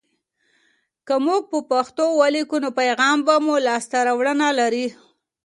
که موږ په پښتو ولیکو، نو پیغام به مو لاسته راوړنه لري.